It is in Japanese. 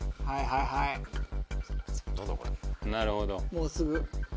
もうすぐ。